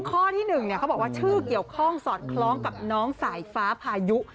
ข้อที่๑เขาบอกว่าชื่อเกี่ยวข้องสอดคล้องกับน้องสายฟ้าพายุ